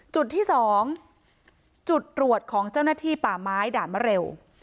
จุดที่๒จุดตรวจของเจ้าหน้าที่ป่าไม้ด่านมะเร็ว